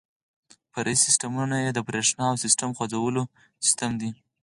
فرعي سیسټمونه یې د بریښنا او سیسټم غځولو سیستم دی.